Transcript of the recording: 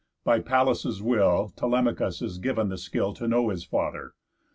By Pallas' will, Telemachus is giv'n the skill To know his father.